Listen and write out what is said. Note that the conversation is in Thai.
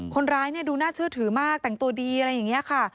คนร้ายดูน่าเชื่อถือมากแต่งตัวดีอะไรอย่างนี้ค่ะ